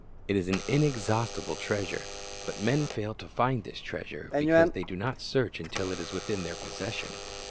It is an inexhaustible treasure; but men fail to find this treasure, because they do not search until it is within their possession.